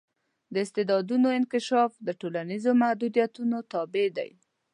د استعدادونو انکشاف د ټولنیزو محدودیتونو تابع دی.